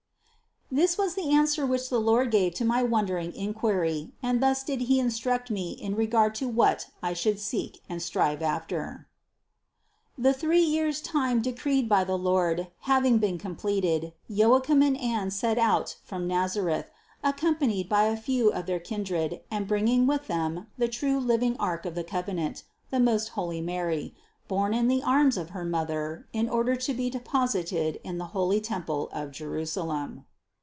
This was the answer which the Lord gave to my wondering inquiry and thus did He instruct me in regard to what I should seek and strive after. 421. The three years' time decreed by the Lord hav ing been completed, Joachim and Anne set out from Nazareth, accompanied by a few of their kindred and bringing with them the true living Ark of the covenant, the most holy Mary, borne on the arms of her mother in order to be deposited in the holy temple of Jerusalem.